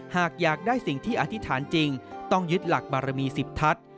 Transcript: หากอยากได้สิ่งที่อธิษฐานจริงต้องยึดหลักบารมี๑๐ทัศน์